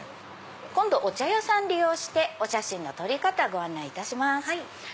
今度お茶屋さん利用してお写真の撮り方ご案内します。